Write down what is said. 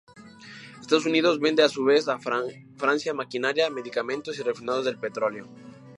Estados Unidos vende a su vez a Francia maquinaria, medicamentos y refinados del petróleo.